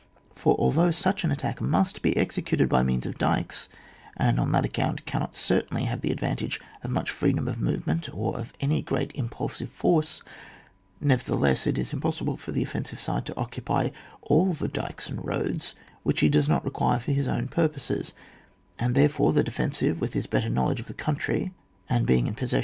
For although such an attack must be executed by means of dykes, and on that account can not certainly have the advantage of much freedom of movement or of any great im pulsiveforce, nevertheless, it is impossible for the offensive side to occupy all the dykes and roads which he does not re quire for his own purposes, and there lore the defensive with his better know ledge of the country, and being in posses 150 ON WAR, [book VI.